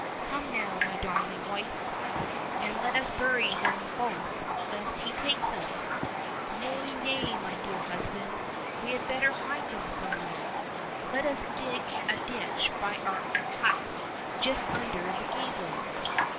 Come now, my darling wife ! and let us bury them both lest he take them !"—" Nay, nay ! my dear husband, we had better hide them some where. Let us dig a ditch by our hut — just under the gables